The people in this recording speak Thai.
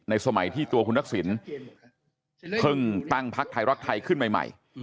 สมัยที่ตัวคุณทักษิณเพิ่งตั้งพักไทยรักไทยขึ้นใหม่